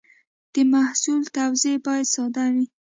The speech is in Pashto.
د محصول توضیح باید ساده وي.